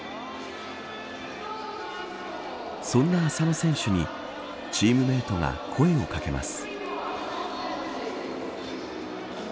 そんな浅野選手にチームメートが声をかけます。